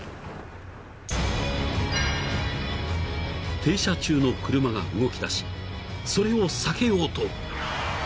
［停車中の車が動きだしそれを避けようと］